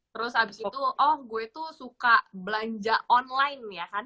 terus abis itu oh gue tuh suka belanja online ya kan